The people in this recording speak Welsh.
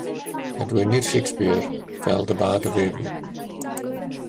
Adwaenir Shakespeare fel The bard of Avon.